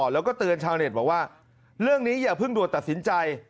แล้วก็เตือนชาวเน็ตบอกว่าเรื่องนี้อย่าเพิ่งด่วนตัดสินใจ